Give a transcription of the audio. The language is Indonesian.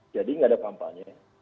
jadi enggak ada kampanye